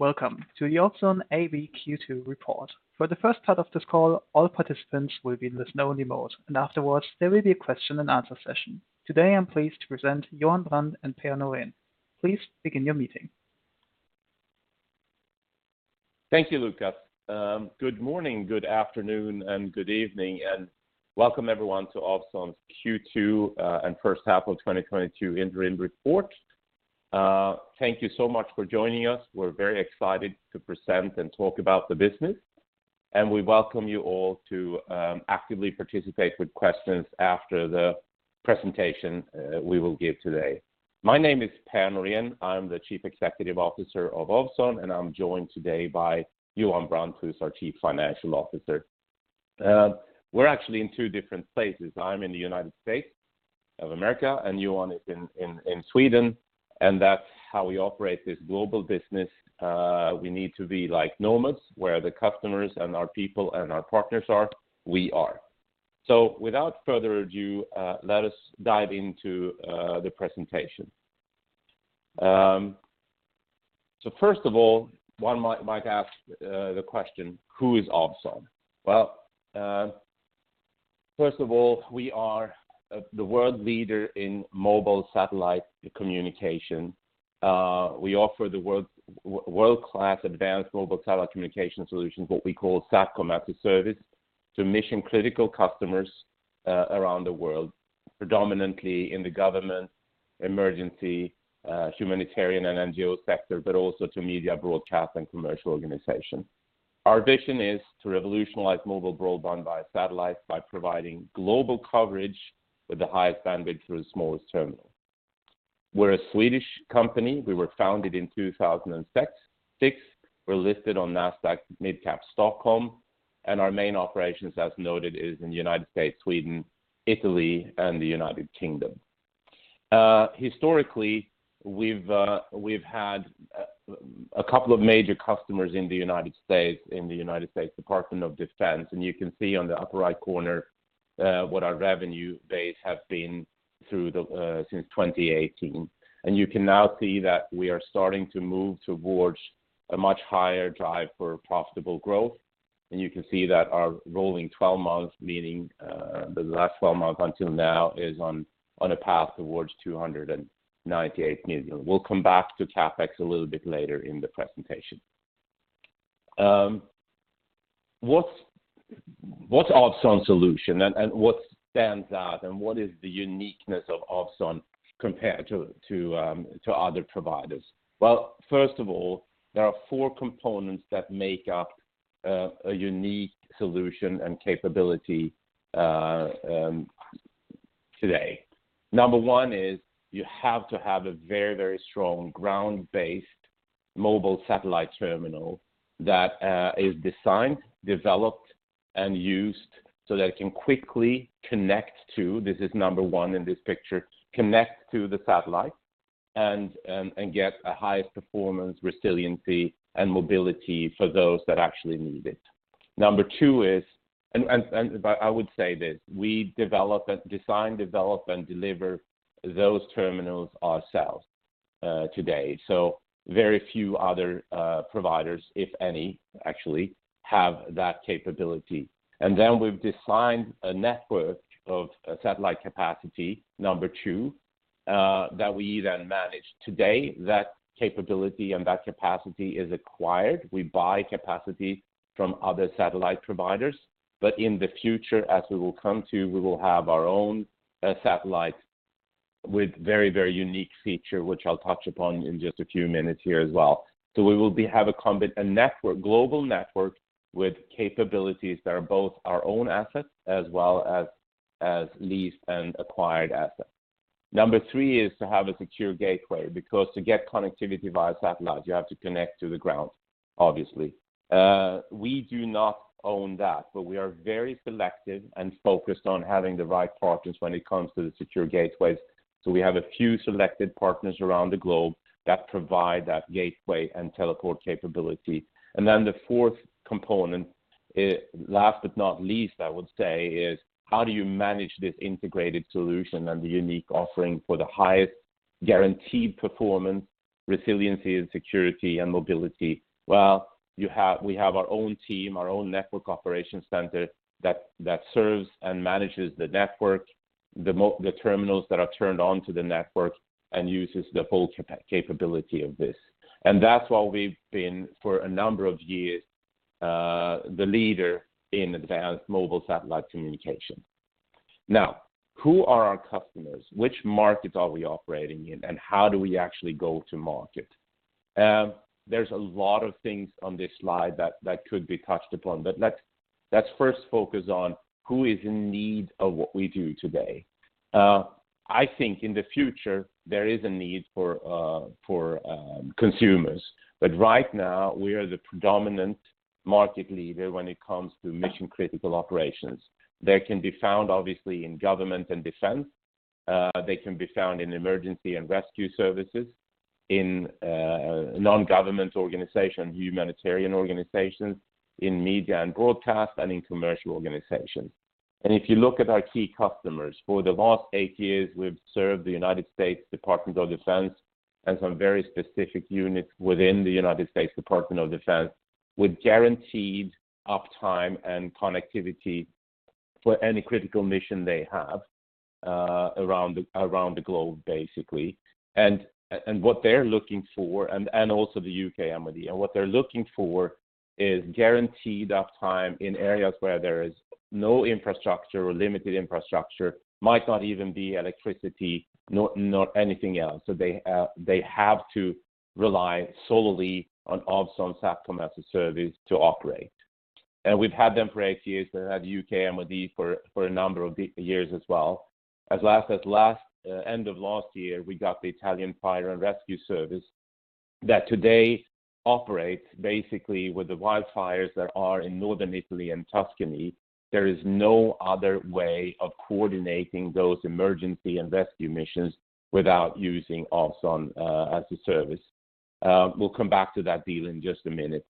Welcome to the Ovzon Q2 report. For the first part of this call, all participants will be in listen only mode, and afterwards, there will be a question and answer session. Today, I'm pleased to present Johan Brandt and Per Norén. Please begin your meeting. Thank you, Lukas. Good morning, good afternoon, and good evening, and Welcome veryone to Ovzon's Q2 and First Half of 2022 Interim Report. Thank you so much for joining us. We're very excited to present and talk about the business, and we welcome you all to actively participate with questions after the presentation we will give today. My name is Per Norén. I'm the Chief Executive Officer of Ovzon, and I'm joined today by Johan Brandt, who's our Chief Financial Officer. We're actually in two different places. I'm in the United States of America, and Johan is in Sweden, and that's how we operate this global business. We need to be like nomads, where the customers and our people and our partners are, we are. Without further ado, let us dive into the presentation. First of all, one might ask the question, who is Ovzon? Well, first of all, we are the world leader in mobile satellite communication. We offer the world-class advanced mobile telecommunication solutions, what we call SATCOM-as-a-Service, to mission-critical customers around the world, predominantly in the government, emergency, humanitarian and NGO sector, but also to media broadcast and commercial organizations. Our vision is to revolutionize mobile broadband via satellite by providing global coverage with the highest bandwidth through the smallest terminal. We're a Swedish company. We were founded in 2006. We're listed on Nasdaq Stockholm Mid Cap, and our main operations, as noted, is in the United States, Sweden, Italy, and the United Kingdom. Historically, we've had a couple of major customers in the United States, in the United States Department of Defense, and you can see on the upper right corner what our revenue base has been through the since 2018. You can now see that we are starting to move towards a much higher drive for profitable growth. You can see that our rolling 12 months, meaning the last 12 months until now is on a path towards 298 million. We'll come back to CapEx a little bit later in the presentation. What's Ovzon solution and what stands out, and what is the uniqueness of Ovzon compared to other providers? Well, first of all, there are four components that make up a unique solution and capability today. Number one is you have to have a very, very strong ground-based mobile satellite terminal that is designed, developed, and used so that it can quickly connect to the satellite and get a highest performance, resiliency, and mobility for those that actually need it. Number two is I would say this, we design, develop, and deliver those terminals ourselves today. Very few other providers, if any, actually have that capability. We've designed a network of satellite capacity, number two, that we then manage. Today, that capability and that capacity is acquired. We buy capacity from other satellite providers. In the future, as we will come to, we will have our own satellite with very, very unique feature, which I'll touch upon in just a few minutes here as well. We will have a network, global network with capabilities that are both our own assets as well as leased and acquired assets. Number three is to have a secure gateway, because to get connectivity via satellite, you have to connect to the ground, obviously. We do not own that, but we are very selective and focused on having the right partners when it comes to the secure gateways. We have a few selected partners around the globe that provide that gateway and teleport capability. The fourth component, last but not least, I would say, is how do you manage this integrated solution and the unique offering for the highest guaranteed performance, resiliency, and security and mobility? Well, we have our own team, our own network operation center that serves and manages the network, the terminals that are turned on to the network and uses the full capability of this. That's why we've been, for a number of years, the leader in advanced mobile satellite communication. Now, who are our customers? Which markets are we operating in, and how do we actually go to market? There's a lot of things on this slide that could be touched upon, but let's first focus on who is in need of what we do today. I think in the future, there is a need for consumers. Right now, we are the predominant market leader when it comes to mission-critical operations. They can be found, obviously, in government and defense. They can be found in emergency and rescue services, in non-governmental organizations, humanitarian organizations, in media and broadcast, and in commercial organizations. If you look at our key customers, for the last eight years we've served the United States Department of Defense and some very specific units within the United States Department of Defense with guaranteed uptime and connectivity for any critical mission they have around the globe, basically. Also, the UK MoD. What they're looking for is guaranteed uptime in areas where there is no infrastructure or limited infrastructure, might not even be electricity nor anything else. They have to rely solely on Ovzon SATCOM-as-a-Service to operate. We've had them for eight years, and we have UK MoD for a number of years as well. As last end of last year, we got the Corpo Nazionale dei Vigili del Fuoco that today operates basically with the wildfires that are in Northern Italy and Tuscany. There is no other way of coordinating those emergency and rescue missions without using Ovzon SATCOM-as-a-Service. We'll come back to that deal in just a minute.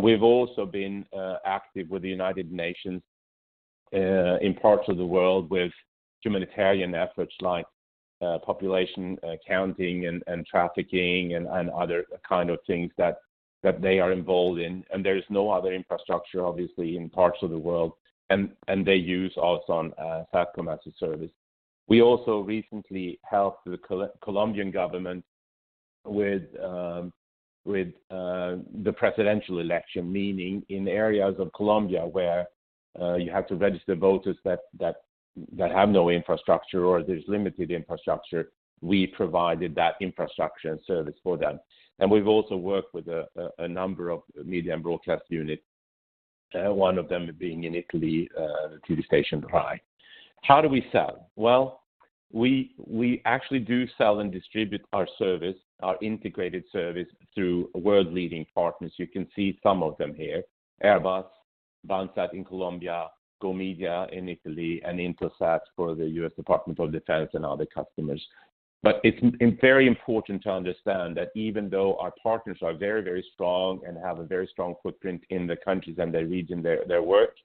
We've also been active with the United Nations in parts of the world with humanitarian efforts like population counting and trafficking and other kind of things that they are involved in. There is no other infrastructure, obviously, in parts of the world, and they use Ovzon SATCOM-as-a-Service. We also recently helped the Colombian government with the presidential election, meaning in areas of Colombia where you have to register voters that have no infrastructure or there's limited infrastructure, we provided that infrastructure and service for them. We've also worked with a number of media and broadcast units, one of them being in Italy, TV station RAI. How do we sell? We actually do sell and distribute our service, our integrated service, through world-leading partners. You can see some of them here. Airbus, Bansat in Colombia, Gomedia in Italy, and Intelsat for the U.S. Department of Defense and other customers. It's very important to understand that even though our partners are very, very strong and have a very strong footprint in the countries and the region they work,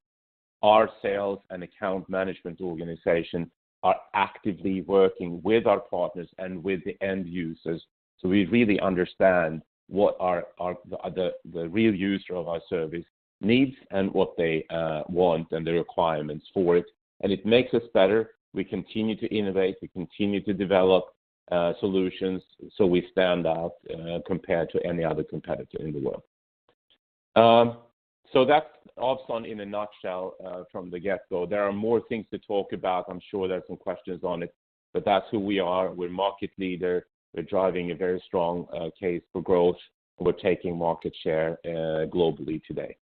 our sales and account management organization is actively working with our partners and with the end users so we really understand what the real user of our service needs and what they want and the requirements for it. It makes us better. We continue to innovate, we continue to develop solutions, so we stand out compared to any other competitor in the world. That's O3 in a nutshell, from the get-go. There are more things to talk about. I'm sure there are some questions on it, but that's who we are. We're market leader. We're driving a very strong case for growth. We're taking market share globally today.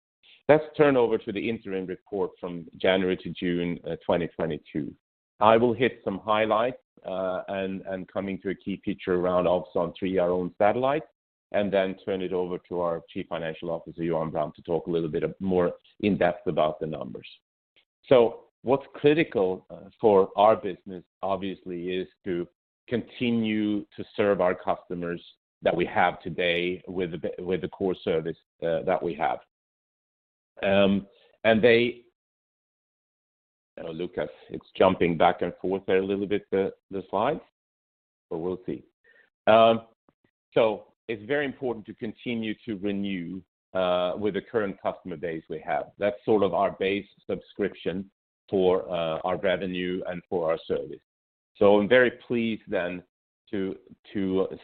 Let's turn over to the interim report from January to June 2022. I will hit some highlights, and coming to a key feature around O3 our own satellite, and then turn it over to our Chief Financial Officer, Johan Brandt, to talk a little bit more in depth about the numbers. What's critical for our business obviously is to continue to serve our customers that we have today with the core service that we have. Lukas, it's jumping back and forth there a little bit, the slides, but we'll see. It's very important to continue to renew with the current customer base we have. That's sort of our base subscription for our revenue and for our service. I'm very pleased then to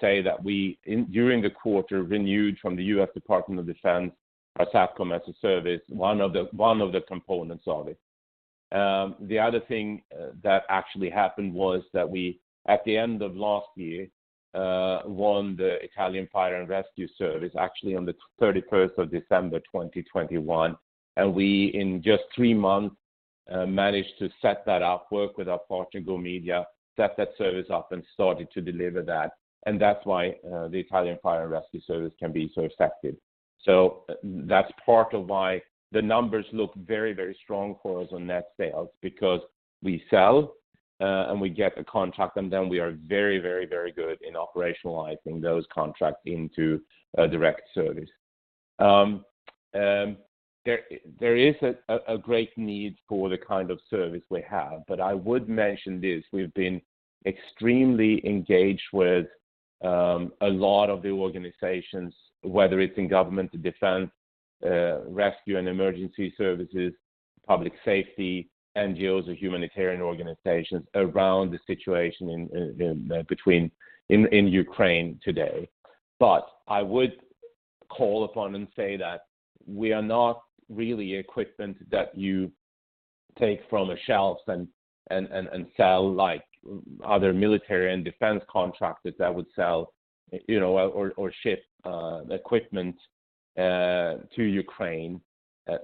say that we during the quarter renewed from the U.S. Department of Defense our SATCOM-as-a-Service, one of the components of it. The other thing that actually happened was that we at the end of last year won the Corpo Nazionale dei Vigili del Fuoco, actually on the 31st of December 2021, and we in just three months managed to set that up, work with our partner Gomedia, set that service up and started to deliver that. That's why the Corpo Nazionale dei Vigili del Fuoco can be so effective. That's part of why the numbers look very strong for us on net sales, because we sell and we get a contract, and then we are very good in operationalizing those contracts into a direct service. There is a great need for the kind of service we have, but I would mention this. We've been extremely engaged with a lot of the organizations, whether it's in government defense, rescue and emergency services, public safety, NGOs or humanitarian organizations around the situation in Ukraine today. I would call upon and say that we are not really equipment that you take from the shelves and sell like other military and defense contractors that would sell, you know, or ship equipment to Ukraine.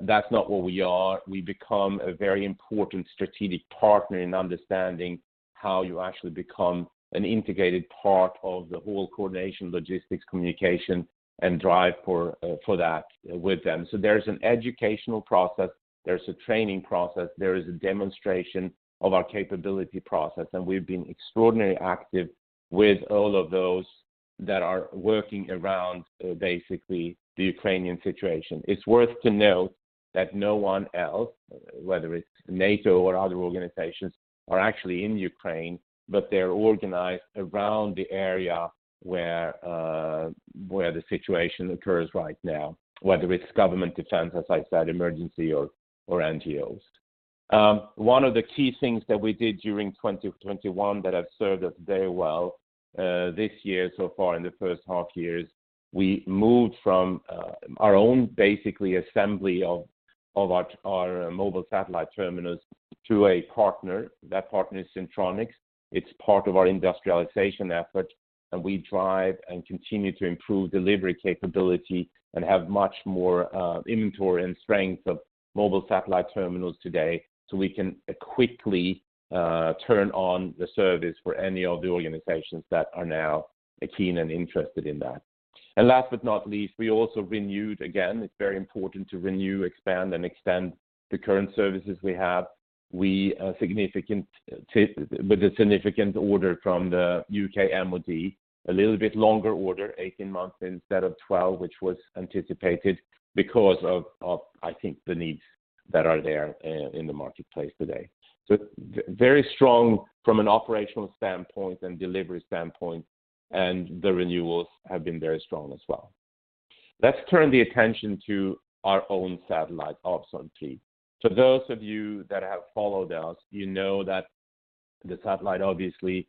That's not what we are. We become a very important strategic partner in understanding how you actually become an integrated part of the whole coordination, logistics, communication and drive for that with them. There's an educational process, there's a training process, there is a demonstration of our capability process, and we've been extraordinary active with all of those that are working around basically the Ukrainian situation. It's worth to note that no one else, whether it's NATO or other organizations, are actually in Ukraine, but they're organized around the area where the situation occurs right now, whether it's government defense, as I said, emergency or NGOs. One of the key things that we did during 2021 that have served us very well this year so far in the first half year is we moved from our own basically assembly of our mobile satellite terminals to a partner. That partner is Syntronic. It's part of our industrialization effort, and we drive and continue to improve delivery capability and have much more inventory and strength of mobile satellite terminals today so we can quickly turn on the service for any of the organizations that are now keen and interested in that. Last but not least, we also renewed again, it's very important to renew, expand, and extend the current services we have. We have a significant order from the UK MoD, a little bit longer order, 18 months instead of 12, which was anticipated because of, I think, the needs that are there in the marketplace today. Very strong from an operational standpoint and delivery standpoint, and the renewals have been very strong as well. Let's turn the attention to our own satellite, Ovzon 3. Those of you that have followed us, you know that the satellite obviously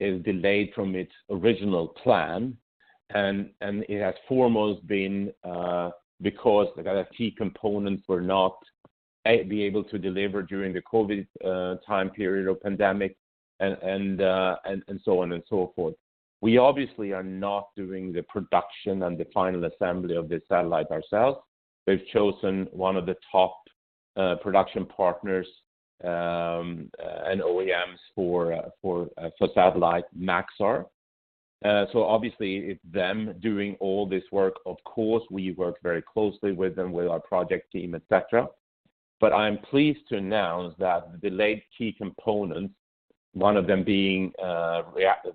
is delayed from its original plan. It has foremost been because the key components were not available during the COVID time period or pandemic and so on and so forth. We obviously are not doing the production and the final assembly of the satellite ourselves. We've chosen one of the top production partners and OEMs for satellite, Maxar. Obviously it's them doing all this work. Of course, we work very closely with them, with our project team, et cetera. I am pleased to announce that the key components, one of them being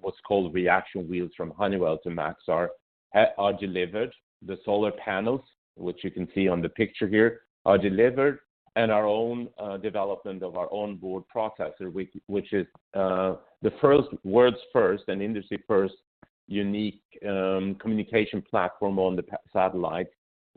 what's called reaction wheels from Honeywell to Maxar, have delivered. The solar panels, which you can see on the picture here, are delivered, and our own development of our onboard processor, which is the world's first and industry first unique communication platform on the satellite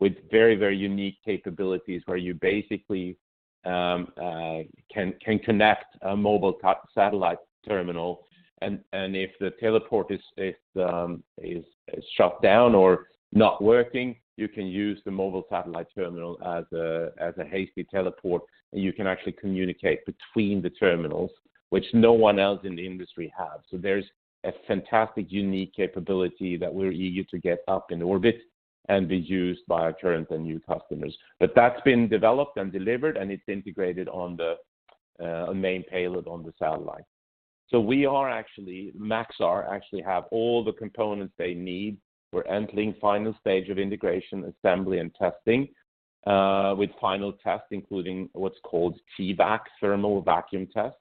with very unique capabilities where you basically can connect a mobile satellite terminal. If the teleport is shut down or not working, you can use the mobile satellite terminal as a hasty teleport, and you can actually communicate between the terminals, which no one else in the industry have. There's a fantastic, unique capability that we're eager to get up in orbit and be used by our current and new customers. That's been developed and delivered, and it's integrated on the main payload on the satellite. We are actually, Maxar actually have all the components they need. We're entering final stage of integration, assembly, and testing, with final test, including what's called TVAC, Thermal Vacuum Test,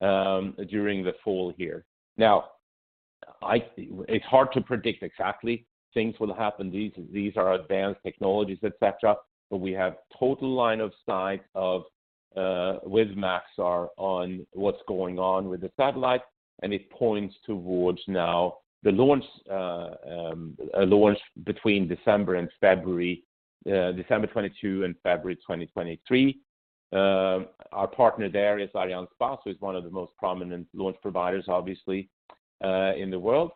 during the fall here. Now, It's hard to predict exactly. Things will happen. These are advanced technologies, et cetera, but we have total line of sight with Maxar on what's going on with the satellite, and it points towards now the launch, a launch between December and February, December 2022 and February 2023. Our partner there is Arianespace, who's one of the most prominent launch providers, obviously, in the world.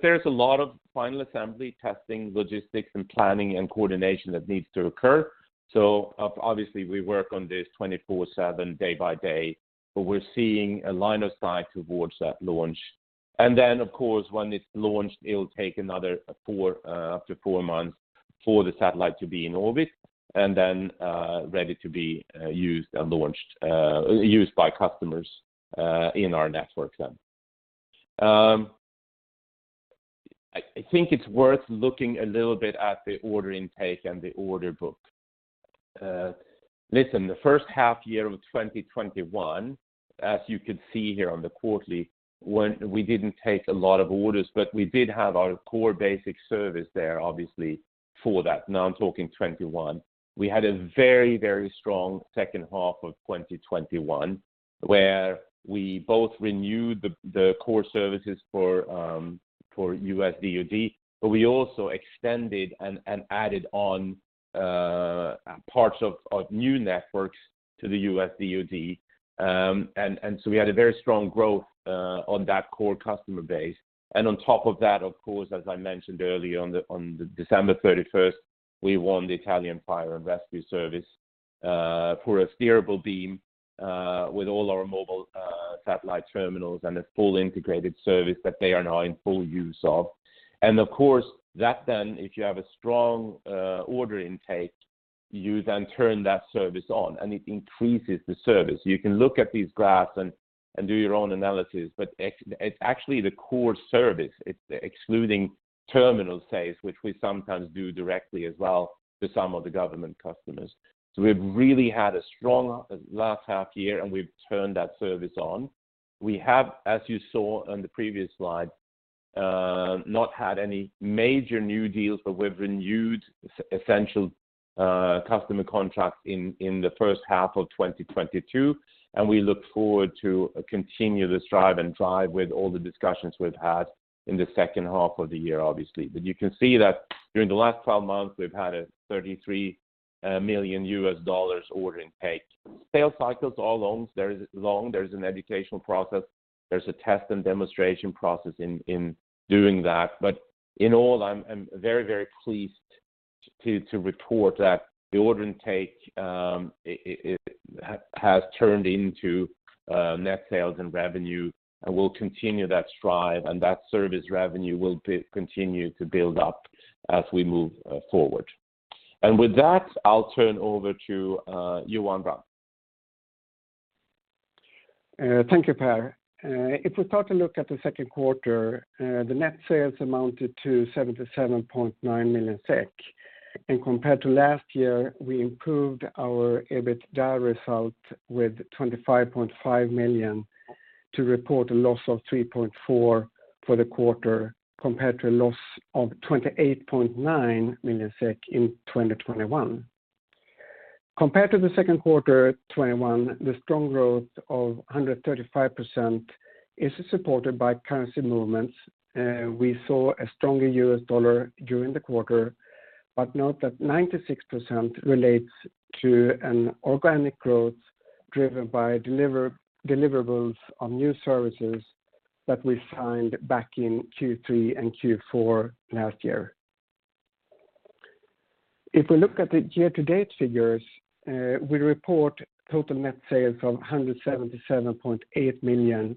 There's a lot of final assembly, testing, logistics, and planning and coordination that needs to occur. Obviously, we work on this 24/7, day by day, but we're seeing a line of sight towards that launch. Then, of course, when it's launched, it'll take up to four months for the satellite to be in orbit and then ready to be used by customers in our network then. I think it's worth looking a little bit at the order intake and the order book. Listen, the first half year of 2021, as you can see here on the quarterly, we didn't take a lot of orders, but we did have our core basic service there, obviously, for that. Now I'm talking 2021. We had a very strong second half of 2021, where we both renewed the core services for U.S. DOD, but we also extended and added on parts of new networks to the U.S. DoD. We had a very strong growth on that core customer base. On top of that, of course, as I mentioned earlier, on December 31st, we won the Italian Fire and Rescue Service for a steerable beam with all our mobile satellite terminals and a full integrated service that they are now in full use of. Of course, that then, if you have a strong order intake, you then turn that service on, and it increases the service. You can look at these graphs and do your own analysis, but it's actually the core service, excluding terminal sales, which we sometimes do directly as well to some of the government customers. We've really had a strong last half year, and we've turned that service on. We have, as you saw on the previous slide, not had any major new deals, but we've renewed essential customer contracts in the first half of 2022, and we look forward to continue this drive with all the discussions we've had in the second half of the year, obviously. You can see that during the last 12 months, we've had a $33 million order intake. Sales cycles are long. There's an educational process, there's a test and demonstration process in doing that. In all, I'm very pleased to report that the order intake has turned into net sales and revenue and will continue that strive, and that service revenue will continue to build up as we move forward. With that, I'll turn over to Johan Brandt. Thank you, Per. If we start to look at the second quarter, the net sales amounted to 77.9 million SEK. Compared to last year, we improved our EBITDA result with 25.5 million to report a loss of 3.4 for the quarter, compared to a loss of 28.9 million SEK in 2021. Compared to the second quarter 2021, the strong growth of 135% is supported by currency movements. We saw a stronger US dollar during the quarter, but note that 96% relates to an organic growth driven by deliverables on new services that we signed back in Q3 and Q4 last year. If we look at the year-to-date figures, we report total net sales of 177.8 million,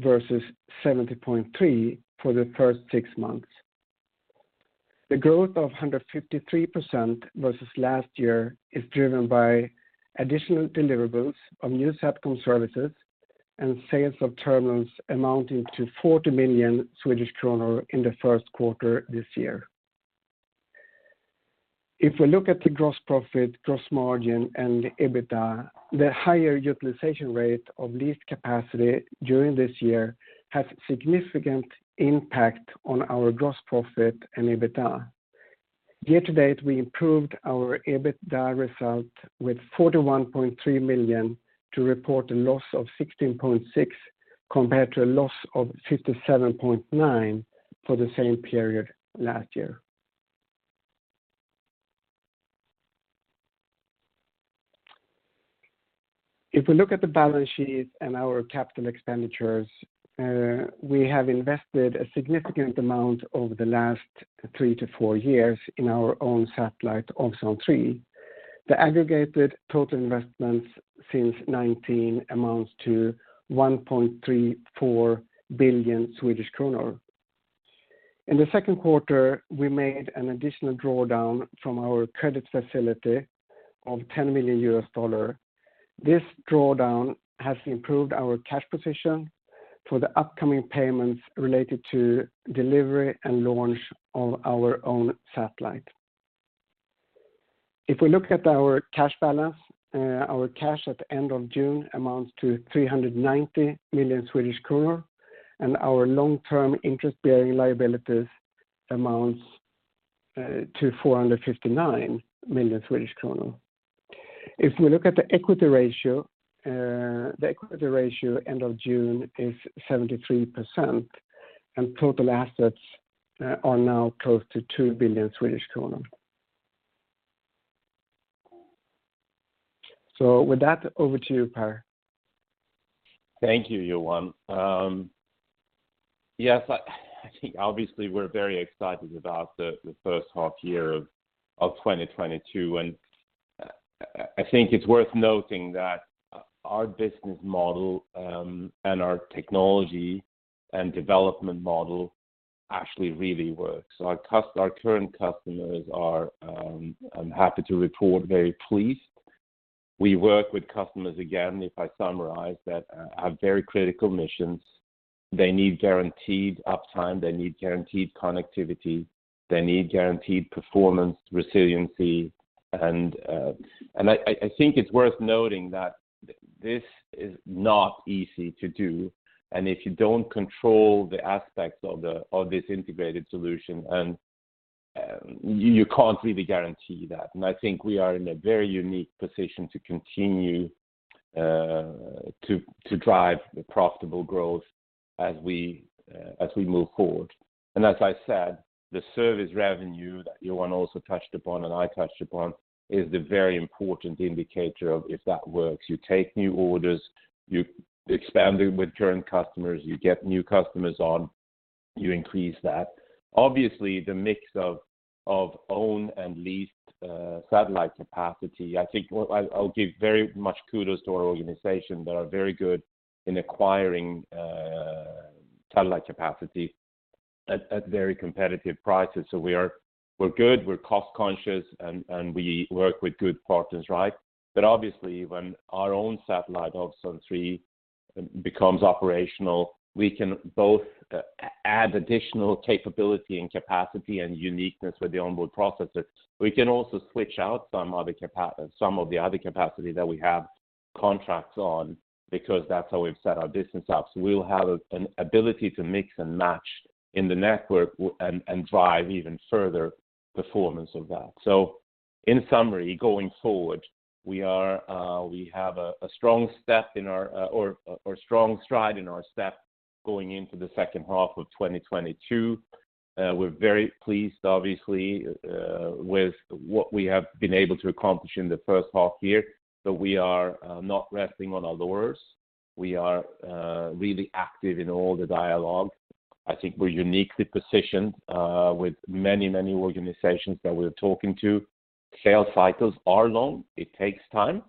versus 70.3 for the first six months. The growth of 153% versus last year is driven by additional deliverables of new SATCOM services and sales of terminals amounting to 40 million Swedish kronor in the first quarter this year. If we look at the gross profit, gross margin, and the EBITDA, the higher utilization rate of leased capacity during this year has significant impact on our gross profit and EBITDA. Year to date, we improved our EBITDA result with 41.3 million to report a loss of 16.6, compared to a loss of 57.9 for the same period last year. If we look at the balance sheet and our capital expenditures, we have invested a significant amount over the last three-four years in our own satellite, Ovzon 3. The aggregated total investments since 2019 amounts to 1.34 billion Swedish kronor. In the second quarter, we made an additional drawdown from our credit facility of $10 million. This drawdown has improved our cash position for the upcoming payments related to delivery and launch of our own satellite. If we look at our cash balance, our cash at the end of June amounts to 390 million Swedish kronor, and our long-term interest-bearing liabilities amounts to 459 million Swedish kronor. If we look at the equity ratio, the equity ratio end of June is 73%, and total assets are now close to 2 billion Swedish kronor. With that, over to you, Per. Thank you, Johan. Yes, I think obviously we're very excited about the first half year of 2022, and I think it's worth noting that our business model and our technology and development model actually really works. Our current customers are, I'm happy to report, very pleased. We work with customers, again, if I summarize, that have very critical missions. They need guaranteed uptime, they need guaranteed connectivity, they need guaranteed performance resiliency. I think it's worth noting that this is not easy to do. If you don't control the aspects of this integrated solution, you can't really guarantee that. I think we are in a very unique position to continue to drive the profitable growth as we move forward. As I said, the service revenue that Johan also touched upon and I touched upon is the very important indicator of if that works. You take new orders, you expand it with current customers, you get new customers on, you increase that. Obviously, the mix of own and leased satellite capacity, I think I'll give very much kudos to our organization. They are very good in acquiring satellite capacity at very competitive prices. So we are. We're good, we're cost-conscious, and we work with good partners, right? Obviously, when our own satellite, Ovzon 3, becomes operational, we can both add additional capability and capacity and uniqueness with the onboard processor. We can also switch out some other some of the other capacity that we have contracts on, because that's how we've set our business up. We'll have an ability to mix and match in the network and drive even further performance of that. In summary, going forward, we have a strong stride in our step going into the second half of 2022. We're very pleased obviously with what we have been able to accomplish in the first half year, but we are not resting on our laurels. We are really active in all the dialogue. I think we're uniquely positioned with many organizations that we're talking to. Sales cycles are long. It takes time,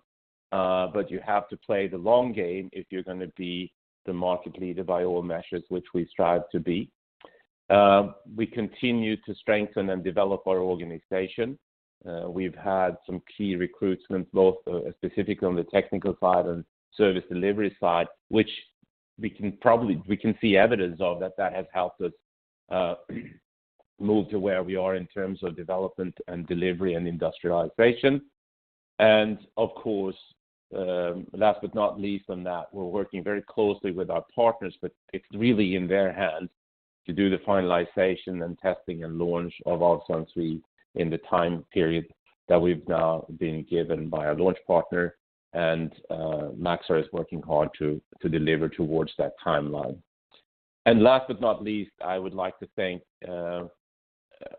but you have to play the long game if you're gonna be the market leader by all measures, which we strive to be. We continue to strengthen and develop our organization. We've had some key recruitment, both specifically on the technical side and service delivery side. We can see evidence of that that has helped us move to where we are in terms of development and delivery and industrialization. Of course, last but not least on that, we're working very closely with our partners, but it's really in their hands to do the finalization and testing and launch of our Ovzon 3 in the time period that we've now been given by our launch partner, and Maxar is working hard to deliver towards that timeline. Last but not least, I would like to thank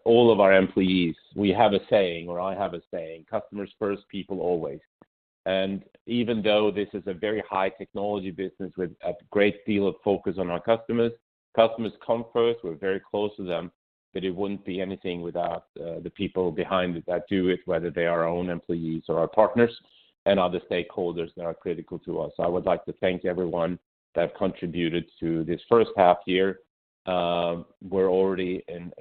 all of our employees. We have a saying, or I have a saying, "Customers First - People Always." Even though this is a very high technology business with a great deal of focus on our customers come first, we're very close to them, but it wouldn't be anything without the people behind it that do it, whether they are our own employees or our partners and other stakeholders that are critical to us. I would like to thank everyone that contributed to this first half year. We're already in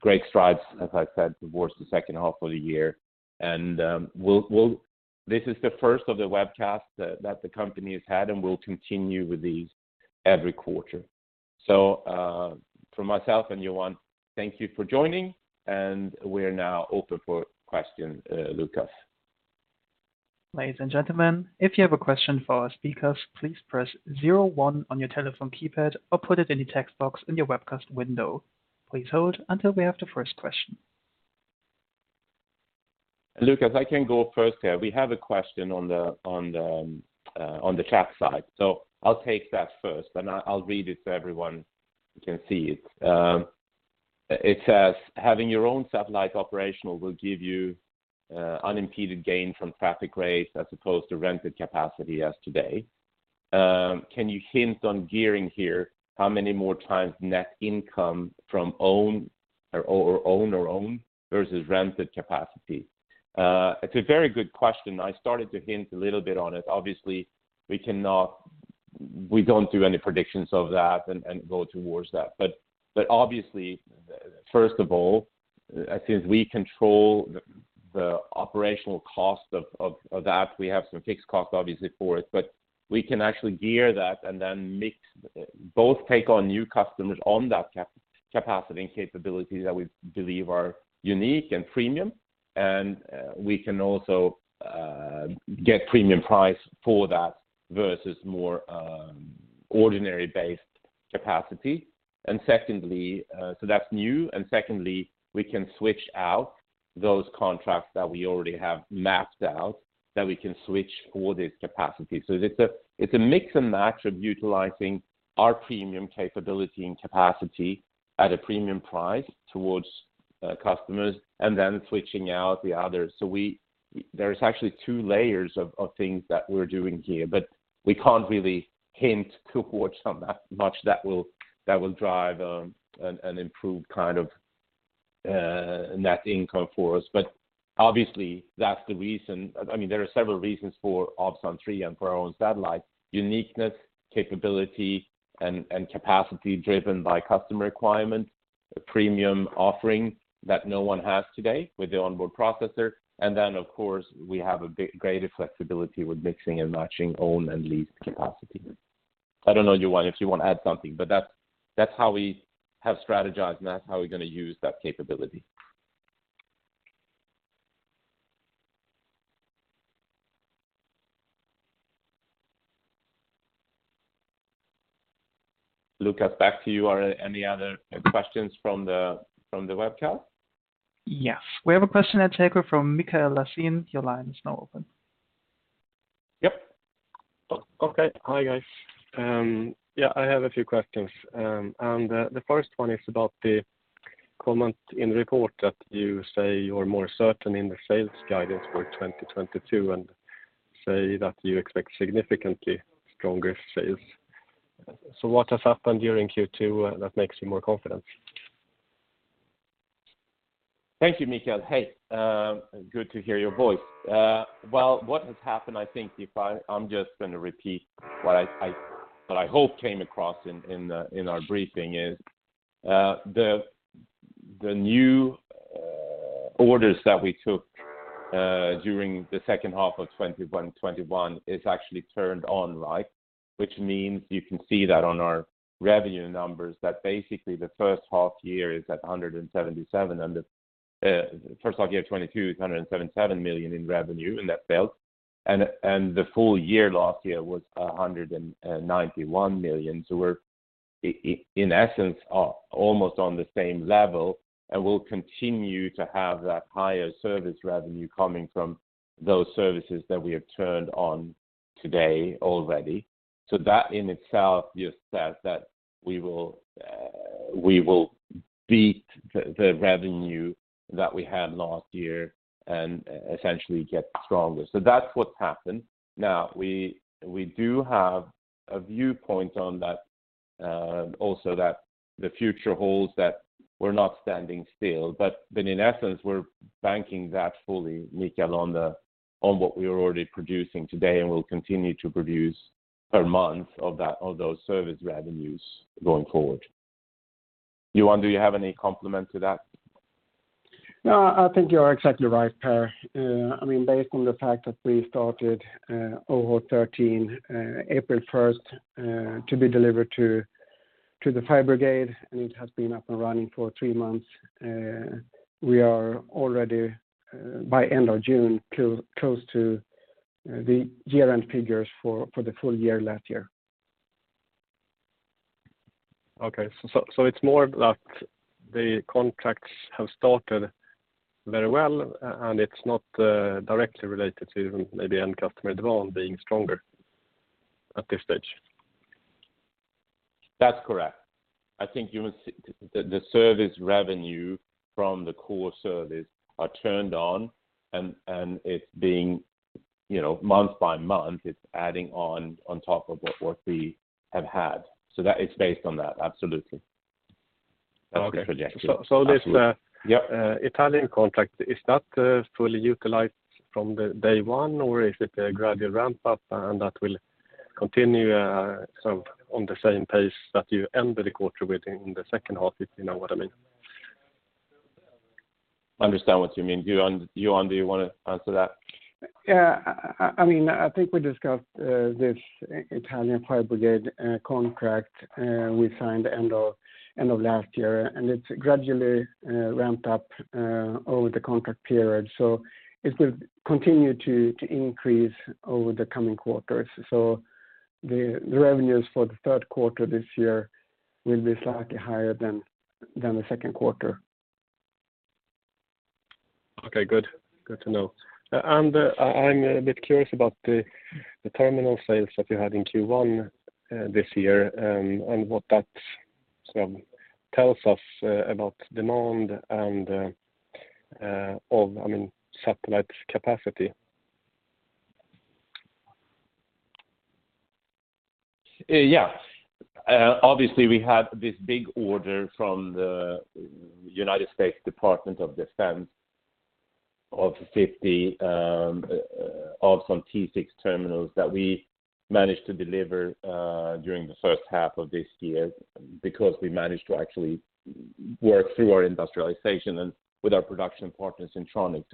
great strides, as I said, towards the second half of the year. This is the first of the webcasts that the company has had, and we'll continue with these every quarter. From myself and Johan, thank you for joining, and we are now open for questions, Lukas. Ladies and gentlemen, if you have a question for our speakers, please press zero one on your telephone keypad or put it in the text box in your webcast window. Please hold until we have the first question. Lukas, I can go first here. We have a question on the chat side. I'll take that first, and I'll read it so everyone can see it. It says, "Having your own satellite operational will give you, unimpeded gain from traffic rates as opposed to rented capacity as today. Can you hint on gearing here how many more times net income from own versus rented capacity?" It's a very good question. I started to hint a little bit on it. Obviously, we don't do any predictions of that and go towards that. Obviously, first of all, since we control the operational cost of that, we have some fixed cost obviously for it, but we can actually gear that and then mix both take on new customers on that capacity and capability that we believe are unique and premium, and we can also get premium price for that versus more ordinary based capacity. Secondly, so that's new. Secondly, we can switch out those contracts that we already have mapped out, that we can switch for this capacity. It's a mix and match of utilizing our premium capability and capacity at a premium price towards customers and then switching out the others. There is actually two layers of things that we're doing here, but we can't really hint towards on that much. That will drive an improved kind of net income for us. Obviously, that's the reason. I mean, there are several reasons for Ovzon 3 and for our own satellite: uniqueness, capability and capacity driven by customer requirements, a premium offering that no one has today with the on-board processor, and then of course, we have much greater flexibility with mixing and matching own and leased capacity. I don't know, Johan, if you want to add something, but that's how we have strategized, and that's how we're gonna use that capability. Lukas, back to you. Are there any other questions from the webcast? Yes. We have a question at hand from Mikael Laséen. Your line is now open. Yep. Okay. Hi, guys. Yeah, I have a few questions. The first one is about the comment in report that you say you're more certain in the sales guidance for 2022 and say that you expect significantly stronger sales. What has happened during Q2 that makes you more confident? Thank you, Mikael. Hey, good to hear your voice. Well, what has happened, I think, if I'm just gonna repeat what I hope came across in our briefing is the new orders that we took during the second half of 2021 is actually turned on live, which means you can see that on our revenue numbers, that basically the first half year is at 177 million and the first half year 2022 is 177 million in revenue, and that fueled. The full year last year was 191 million. We're in essence almost on the same level, and we'll continue to have that higher service revenue coming from those services that we have turned on today already. That in itself just says that we will beat the revenue that we had last year and essentially get stronger. That's what's happened. Now, we do have a viewpoint on that, also that the future holds that we're not standing still. In essence, we're banking that fully, Mikael, on what we are already producing today and will continue to produce per month of those service revenues going forward. Johan, do you have any comment to that? No, I think you are exactly right, Per. I mean, based on the fact that we started Ovzon 13 April first to be delivered to the fire brigade, and it has been up and running for three months, we are already by end of June close to the year-end figures for the full year last year. Okay. It's more that the contracts have started very well and it's not directly related to maybe end customer demand being stronger at this stage? That's correct. I think you must the service revenue from the core service are turned on and it's being, you know, month by month, it's adding on top of what we have had. That is based on that. Absolutely. Okay. That's the projection. Absolutely. So, so this, uh- Yep. Italian contract, is that fully utilized from day one, or is it a gradual ramp up, and that will continue somewhat on the same pace that you end the quarter with in the second half, if you know what I mean? Understand what you mean. Johan, do you wanna answer that? Yeah. I mean, I think we discussed this Italian fire brigade contract we signed end of last year, and it's gradually ramped up over the contract period. It will continue to increase over the coming quarters. The revenues for the third quarter this year will be slightly higher than the second quarter. Okay, good. Good to know. I'm a bit curious about the terminal sales that you had in Q1 this year, and what that sort of tells us about demand and, I mean, satellite capacity. Yeah. Obviously, we had this big order from the United States Department of Defense of 50 Ovzon T6 terminals that we managed to deliver during the first half of this year because we managed to actually work through our industrialization and with our production partner, Syntronic.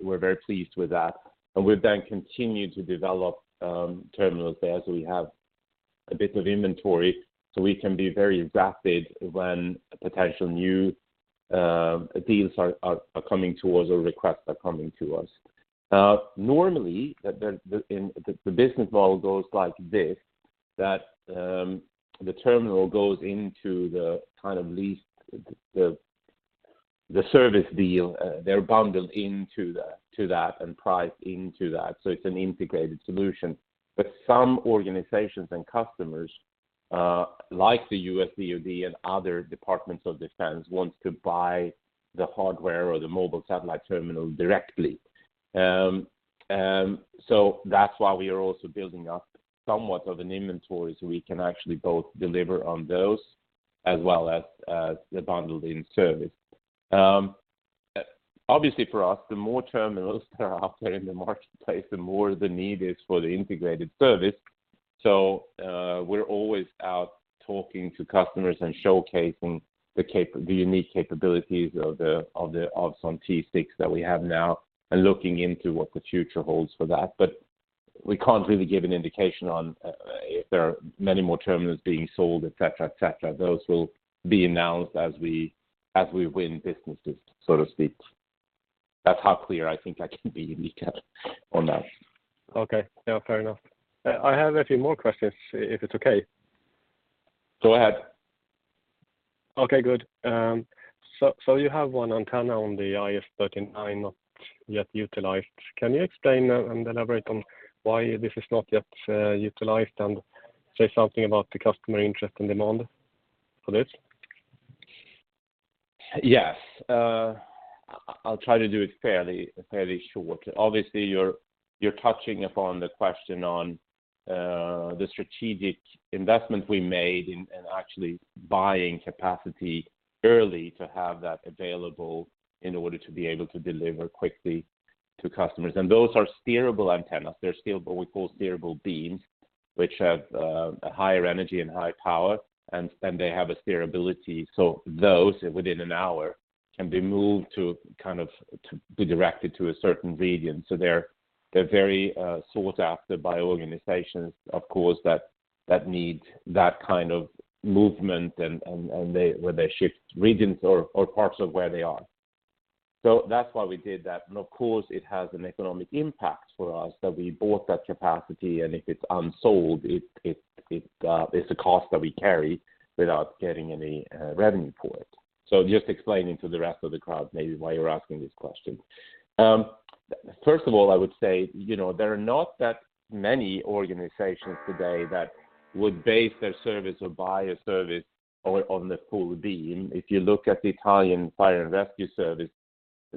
We're very pleased with that. We've then continued to develop terminals there. We have a bit of inventory, so we can be very rapid when potential new deals are coming to us or requests are coming to us. Normally, the business model goes like this, that the terminal goes into the kind of lease, the service deal, they're bundled into that, to that and priced into that. It's an integrated solution. Some organizations and customers, like the U.S. DoD and other departments of defense want to buy the hardware or the mobile satellite terminal directly. That's why we are also building up somewhat of an inventory, so we can actually both deliver on those as well as the bundled-in service. Obviously for us, the more terminals that are out there in the marketplace, the more the need is for the integrated service. We're always out talking to customers and showcasing the unique capabilities of the Ovzon T6 that we have now and looking into what the future holds for that. We can't really give an indication on if there are many more terminals being sold, et cetera. Those will be announced as we win businesses, so to speak. That's how clear I think I can be, Mikael, on that. Okay. Yeah, fair enough. I have a few more questions, if it's okay. Go ahead. Okay, good. You have one antenna on the IS-39 not yet utilized. Can you explain and elaborate on why this is not yet utilized, and say something about the customer interest and demand for this? Yes. I'll try to do it fairly short. Obviously, you're touching upon the question on the strategic investment we made in actually buying capacity early to have that available in order to be able to deliver quickly to customers. Those are steerable antennas. They're steerable, we call steerable beams, which have a higher energy and high power, and they have a steerability. Those, within an hour, can be moved to kind of to be directed to a certain region. They're very sought after by organizations, of course, that need that kind of movement and they, where they shift regions or parts of where they are. That's why we did that and of course, it has an economic impact for us that we bought that capacity and if it's unsold, it's a cost that we carry without getting any revenue for it. Just explaining to the rest of the crowd maybe why you're asking this question. First of all, I would say, you know, there are not that many organizations today that would base their service or buy a service on the full beam. If you look at the Italian Fire and Rescue Service,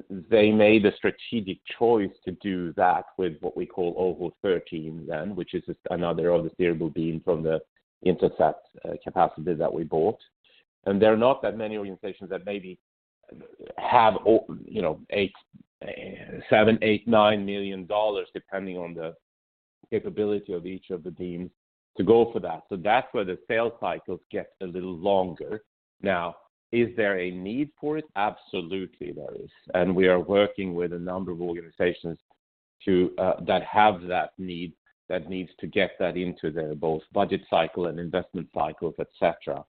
they made a strategic choice to do that with what we call Ovzon 13, which is another of the steerable beam from the Intelsat capacity that we bought. There are not that many organizations that maybe have you know, $7-$9 million depending on the capability of each of the beams to go for that. That's where the sales cycles get a little longer. Now, is there a need for it? Absolutely, there is, and we are working with a number of organizations to that have that need, that needs to get that into their both budget cycle and investment cycles, et cetera.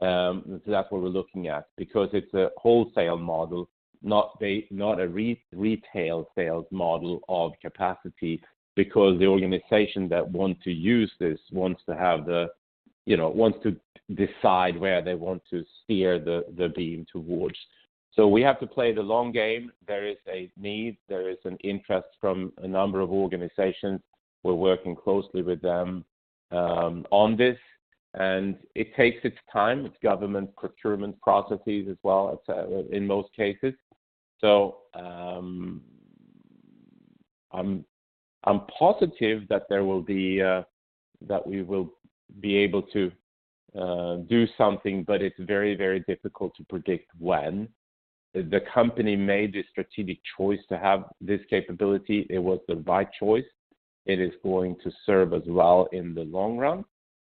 That's what we're looking at because it's a wholesale model, not a retail sales model of capacity because the organization that want to use this wants to have the, you know, wants to decide where they want to steer the beam towards. We have to play the long game. There is a need. There is an interest from a number of organizations. We're working closely with them on this, and it takes its time. It's government procurement processes as well, in most cases. I'm positive that there will be that we will be able to do something, but it's very, very difficult to predict when. The company made a strategic choice to have this capability. It was the right choice. It is going to serve us well in the long run,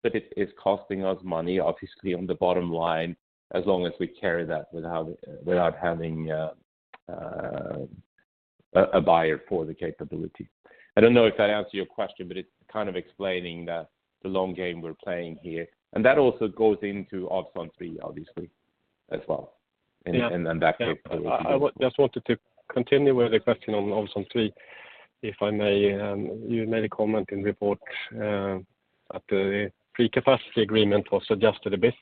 but it is costing us money, obviously on the bottom line, as long as we carry that without having a buyer for the capability. I don't know if that answered your question, but it's kind of explaining the long game we're playing here. That also goes into Ovzon 3, obviously, as well. Yeah. And then back to- I just wanted to continue with the question on Ovzon 3, if I may. You made a comment in the report that the pre-capacity agreement was adjusted a bit.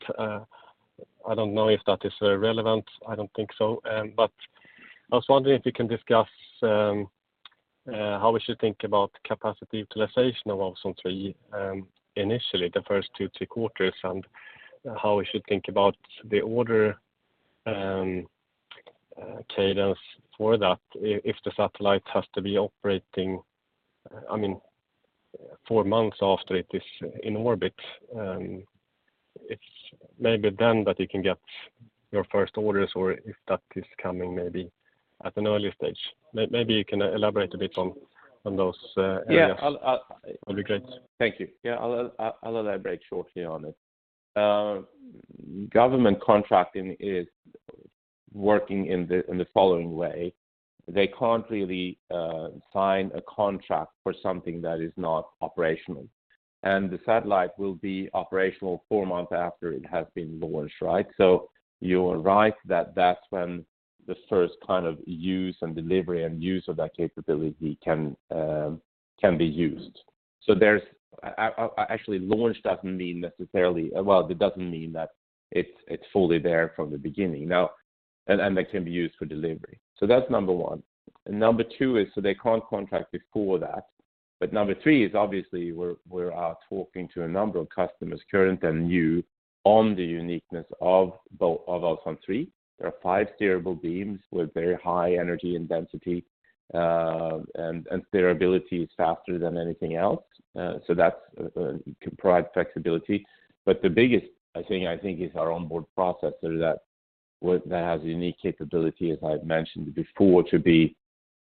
I don't know if that is relevant. I don't think so. But I was wondering if you can discuss how we should think about capacity utilization of Ovzon 3 initially, the first two-three quarters, and how we should think about the order cadence for that if the satellite has to be operating, I mean, four months after it is in orbit. If maybe then that you can get your first orders or if that is coming maybe at an earlier stage. Maybe you can elaborate a bit on those areas. Yeah. I'll That'd be great. Thank you. Yeah. I'll elaborate shortly on it. Government contracting is working in the following way. They can't really sign a contract for something that is not operational. The satellite will be operational four months after it has been launched, right? You are right that that's when the first kind of use and delivery and use of that capability can be used. Actually, launch doesn't mean necessarily. Well, it doesn't mean that it's fully there from the beginning. That can be used for delivery. That's number one. Number two is, they can't contract before that. Number three is obviously we're talking to a number of customers, current and new, on the uniqueness of Ovzon 3. There are five steerable beams with very high energy and density, steerability is faster than anything else can provide flexibility. The biggest thing I think is our On-Board-Processor that has unique capability, as I've mentioned before, to be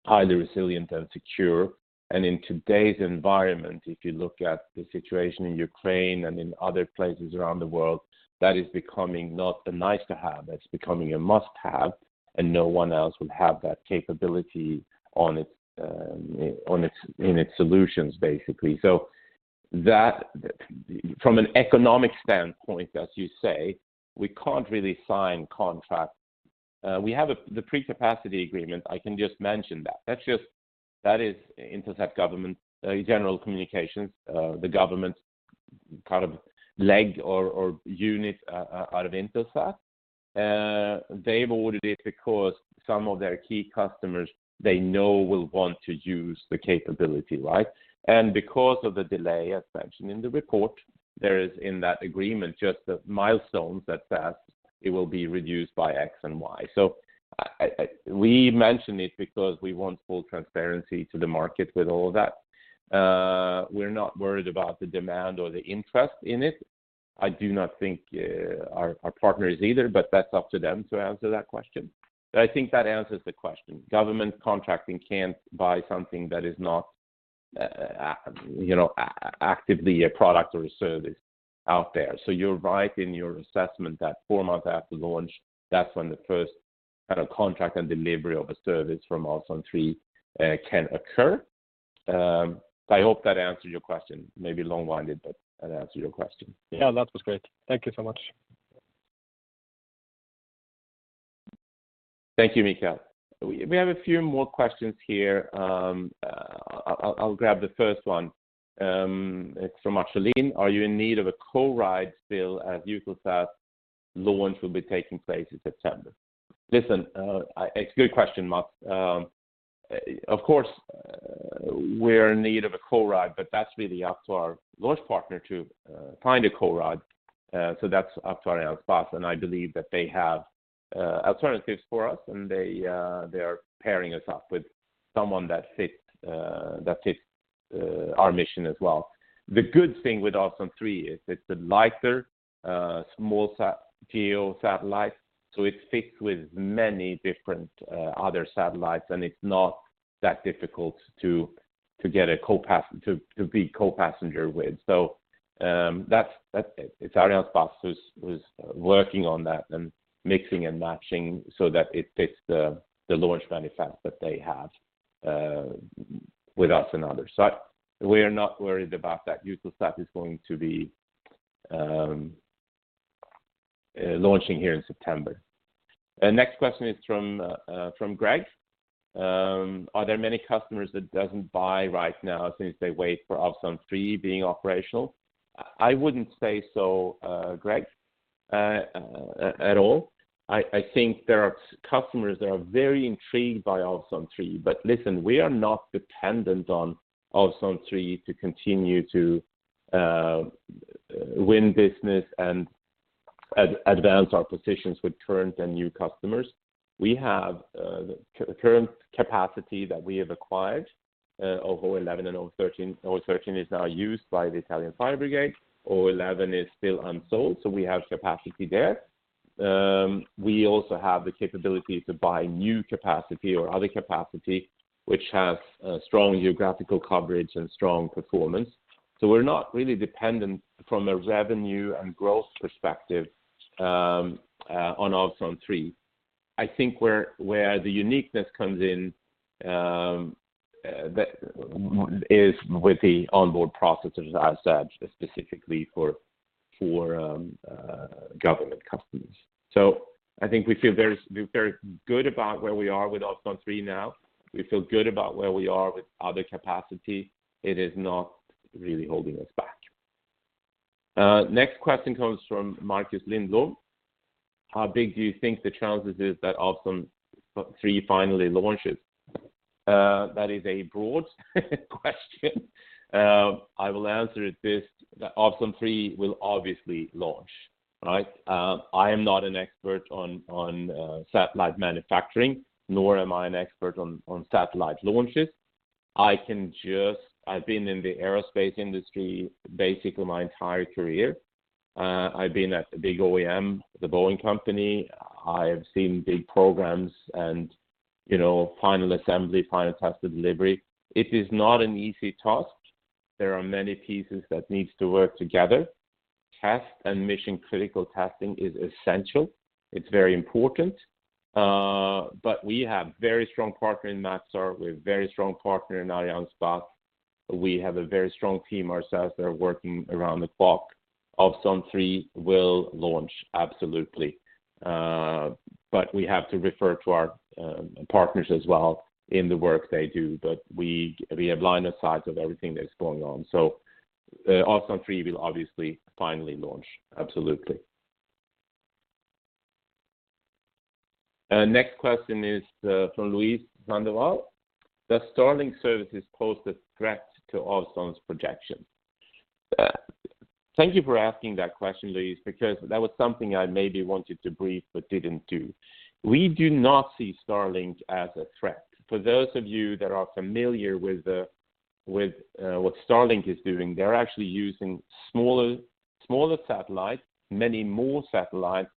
highly resilient and secure. In today's environment, if you look at the situation in Ukraine and in other places around the world, that is becoming not a nice to have. That's becoming a must-have, and no one else will have that capability in its solutions, basically. That from an economic standpoint, as you say, we can't really sign contract. We have the pre-capacity agreement. I can just mention that. That's just. That is Intelsat General Communications, the government kind of leg or unit out of Intelsat. They've ordered it because some of their key customers they know will want to use the capability, right? Because of the delay, as mentioned in the report, there is in that agreement just the milestones that says it will be reduced by X and Y. We mention it because we want full transparency to the market with all of that. We're not worried about the demand or the interest in it. I do not think our partner is either, but that's up to them to answer that question. I think that answers the question. Government contracting can't buy something that is not, you know, actively a product or a service out there. You're right in your assessment that four months after launch, that's when the first kind of contract and delivery of a service from Ovzon 3 can occur. I hope that answered your question. Maybe long-winded, but that answered your question. Yeah, that was great. Thank you so much. Thank you, Mikael. We have a few more questions here. I'll grab the first one. It's from Marceline. Are you in need of a rideshare still as Eutelsat launch will be taking place in September? Listen, it's a good question, Marc. Of course, we're in need of a rideshare, but that's really up to our launch partner to find a rideshare. So that's up to Arianespace, and I believe that they have alternatives for us, and they are pairing us up with someone that fits our mission as well. The good thing with Ovzon 3 is it's a lighter, small GEO satellite, so it fits with many different other satellites, and it's not that difficult to be co-passenger with. That's it. It's Arianespace who's working on that and mixing and matching so that it fits the launch manifest that they have with us and others. We're not worried about that. Eutelsat is going to be launching here in September. The next question is from Greg. Are there many customers that doesn't buy right now since they wait for Ovzon 3 being operational? I wouldn't say so, Greg, at all. I think there are customers that are very intrigued by Ovzon 3, but listen, we are not dependent on Ovzon 3 to continue to win business and advance our positions with current and new customers. We have current capacity that we have acquired, Ovzon 11 and Ovzon 13. Ovzon 13 is now used by the Italian fire brigade. Ovzon 11 is still unsold, so we have capacity there. We also have the capability to buy new capacity or other capacity, which has strong geographical coverage and strong performance. We're not really dependent from a revenue and growth perspective on Ovzon 3. I think where the uniqueness comes in is with the on-board processors as such, specifically for government customers. I think we feel very, very good about where we are with Ovzon 3 now. We feel good about where we are with other capacity. It is not really holding us back. Next question comes from Marcus Lindahl. How big do you think the chances is that Ovzon 3 finally launches? That is a broad question. I will answer it that Ovzon 3 will obviously launch, right? I am not an expert on satellite manufacturing, nor am I an expert on satellite launches. I can just I've been in the aerospace industry basically my entire career. I've been at the big OEM, The Boeing Company. I've seen big programs and, you know, final assembly, final test and delivery. It is not an easy task. There are many pieces that needs to work together. Test and mission-critical testing is essential. It's very important. We have very strong partner in Maxar. We have very strong partner in Arianespace. We have a very strong team ourselves that are working around the clock. Ovzon 3 will launch, absolutely. We have to refer to our partners as well in the work they do. We have line of sight of everything that's going on. Ovzon 3 will obviously finally launch, absolutely. Next question is from Luis Sandoval. Does Starlink services pose a threat to Ovzon's projection? Thank you for asking that question, Luis, because that was something I maybe wanted to brief but didn't do. We do not see Starlink as a threat. For those of you that are familiar with what Starlink is doing, they're actually using smaller satellites, many more satellites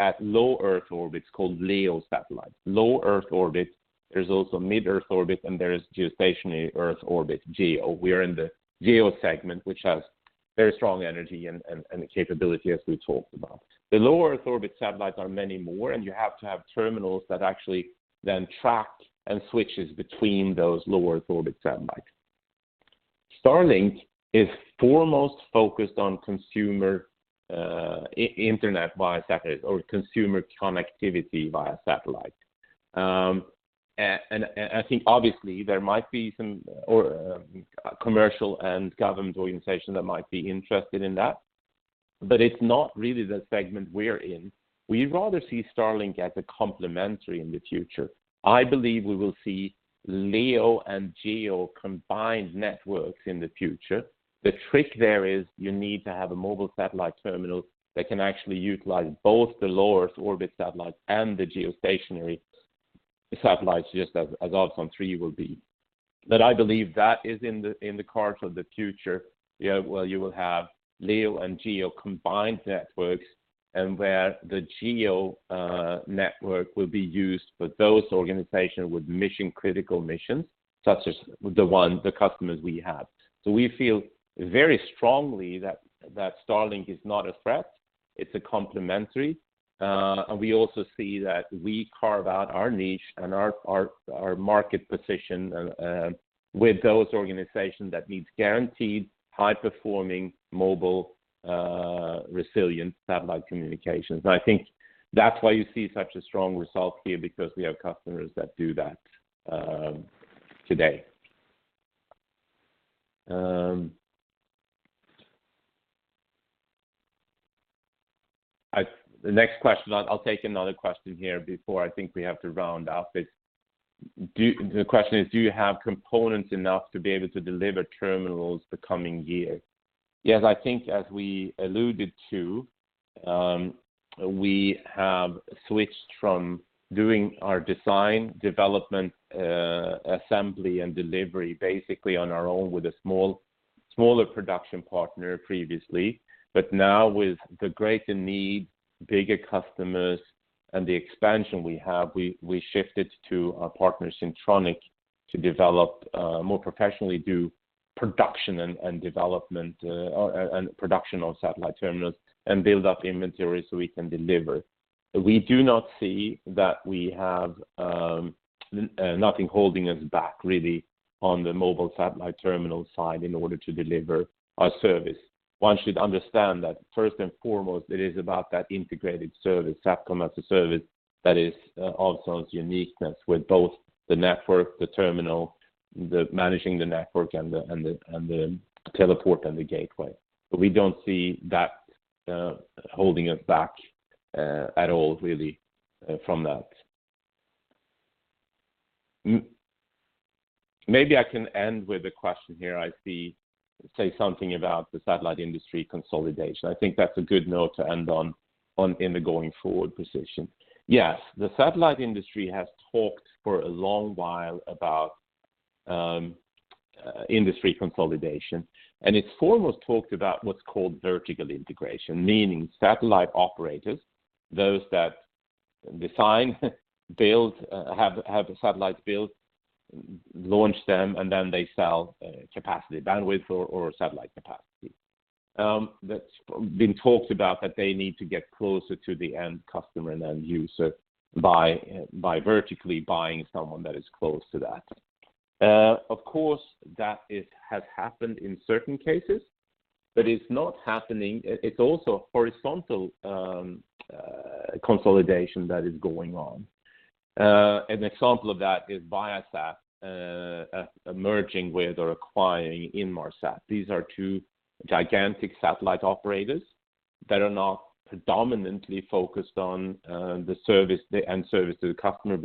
at Low Earth Orbit called LEO satellites. Low Earth orbit, there's also mid-Earth orbit, and there is Geostationary Earth Orbit, GEO. We're in the GEO segment, which has very strong energy and capability as we talked about. The low Earth orbit satellites are many more, and you have to have terminals that actually track and switch between those low Earth orbit satellites. Starlink is foremost focused on consumer internet via satellite or consumer connectivity via satellite. I think obviously there might be some commercial and government organizations that might be interested in that, but it's not really the segment we're in. We'd rather see Starlink as a complementary in the future. I believe we will see LEO and GEO combined networks in the future. The trick there is you need to have a mobile satellite terminal that can actually utilize both the low Earth orbit satellites and the geostationary satellites just as Ovzon 3 will be. I believe that is in the cards of the future. Yeah, where you will have LEO and GEO combined networks and where the GEO network will be used for those organizations with mission-critical missions, such as the customers we have. We feel very strongly that Starlink is not a threat. It's complementary. We also see that we carve out our niche and our market position with those organizations that needs guaranteed high-performing mobile resilient satellite communications. I think that's why you see such a strong result here, because we have customers that do that, today. The next question. I'll take another question here before I think we have to round up. The question is, do you have components enough to be able to deliver terminals the coming year? Yes. I think as we alluded to, we have switched from doing our design, development, assembly, and delivery basically on our own with a smaller production partner previously. Now with the greater need, bigger customers, and the expansion we have, we shifted to our partner Syntronic to develop more professionally, do production and development and production of satellite terminals and build up inventory so we can deliver. We do not see that we have nothing holding us back really on the mobile satellite terminal side in order to deliver our service. One should understand that first and foremost it is about that integrated service, SATCOM-as-a-Service, that is, Ovzon's uniqueness with both the network, the terminal, the managing the network and the teleport and the gateway. We don't see that holding us back at all really from that. Maybe I can end with a question here I see. Say something about the satellite industry consolidation. I think that's a good note to end on in the going forward position. Yes. The satellite industry has talked for a long while about industry consolidation, and it's foremost talked about what's called vertical integration, meaning satellite operators, those that design, build, have satellites built, launch them, and then they sell capacity, bandwidth or satellite capacity. That's been talked about that they need to get closer to the end customer and end user by vertically buying someone that is close to that. Of course, that has happened in certain cases, but it's not happening. It's also horizontal consolidation that is going on. An example of that is Viasat merging with or acquiring Inmarsat. These are two gigantic satellite operators that are not predominantly focused on the service, the end service to the customer,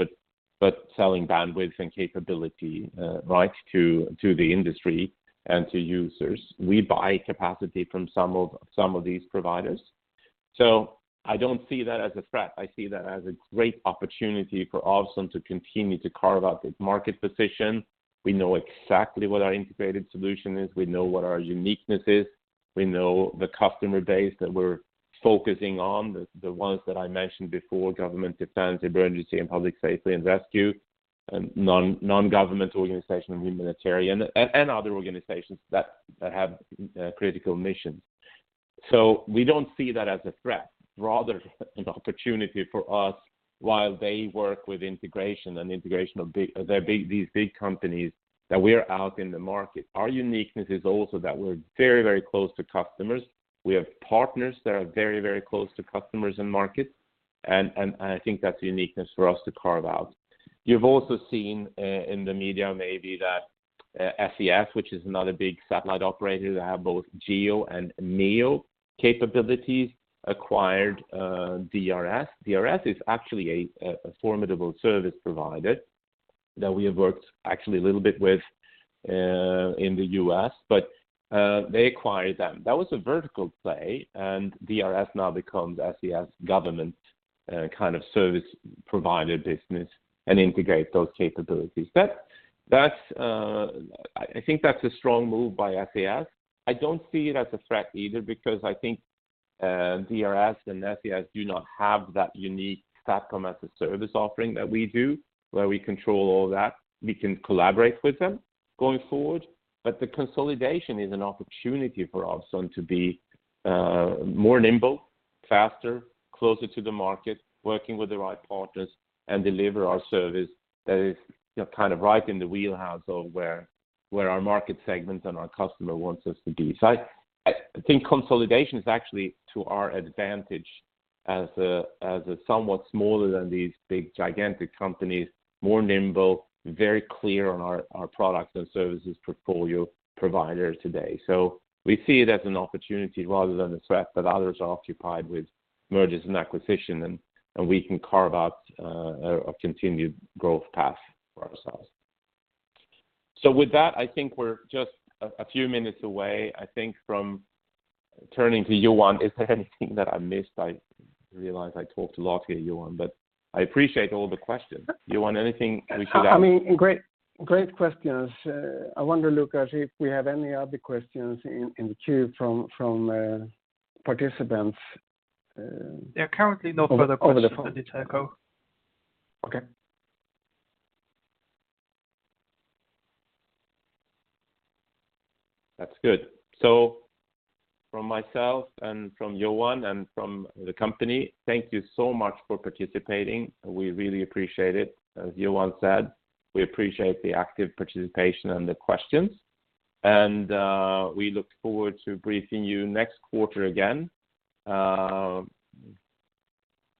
but selling bandwidth and capability right to the industry and to users. We buy capacity from some of these providers. I don't see that as a threat. I see that as a great opportunity for Ovzon to continue to carve out its market position. We know exactly what our integrated solution is. We know what our uniqueness is. We know the customer base that we're focusing on, the ones that I mentioned before, government, defense, emergency and public safety and rescue, non-governmental organization and humanitarian and other organizations that have critical missions. We don't see that as a threat, rather an opportunity for us while they work with integration of big. They're big, these big companies that we are out in the market. Our uniqueness is also that we're very, very close to customers. We have partners that are very, very close to customers and markets, and I think that's uniqueness for us to carve out. You've also seen, in the media maybe that, SES, which is another big satellite operator, they have both GEO and MEO capabilities, acquired DRS. DRS is actually a formidable service provider that we have worked actually a little bit with, in the U.S., but they acquired them. That was a vertical play, and DRS now becomes SES Government Solutions kind of service provider business and integrate those capabilities. That's, I think that's a strong move by SES. I don't see it as a threat either because I think, DRS and SES do not have that unique SATCOM-as-a-Service offering that we do, where we control all that. We can collaborate with them going forward, but the consolidation is an opportunity for Ovzon to be more nimble, faster, closer to the market, working with the right partners and deliver our service that is, you know, kind of right in the wheelhouse of where our market segments and our customer wants us to be. I think consolidation is actually to our advantage as a somewhat smaller than these big gigantic companies, more nimble, very clear on our products and services portfolio provider today. We see it as an opportunity rather than a threat that others are occupied with mergers and acquisitions and we can carve out a continued growth path for ourselves. With that, I think we're just a few minutes away, I think from turning to Johan. Is there anything that I missed? I realize I talked a lot here, Johan, but I appreciate all the questions. Johan, anything we should add? I mean, great questions. I wonder, Lukas, if we have any other questions in the queue from participants. There are currently no further questions in the chat box. Okay. That's good. From myself and from Johan and from the company, thank you so much for participating. We really appreciate it. As Johan said, we appreciate the active participation and the questions, and we look forward to briefing you next quarter again.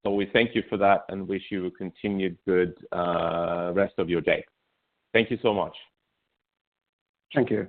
We thank you for that and wish you a continued good rest of your day. Thank you so much. Thank you.